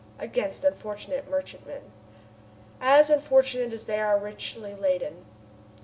"Against unfortunate merchantmen." "As unfortunate as they are richly laden."